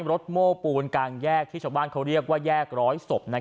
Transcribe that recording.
โม้ปูนกลางแยกที่ชาวบ้านเขาเรียกว่าแยกร้อยศพ